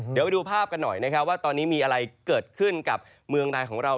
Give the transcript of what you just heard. เดี๋ยวไปดูภาพกันหน่อยนะครับว่าตอนนี้มีอะไรเกิดขึ้นกับเมืองใดของเรา